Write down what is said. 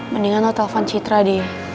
mendingan lo telfon citra deh